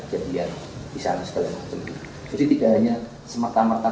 jadi tidak hanya semata mata pengukur kami